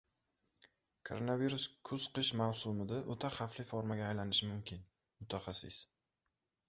Koronavirus kuz-qish mavsumida o‘ta xavfli formaga aylanishi mumkin – mutaxassis